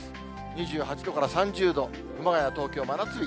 ２８度から３０度、熊谷、東京、真夏日。